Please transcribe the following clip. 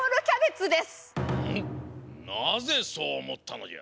なぜそうおもったのじゃ？